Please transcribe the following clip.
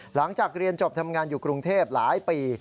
หลังจากเรียนจบทำงานอยู่กรุงเทพหลายปี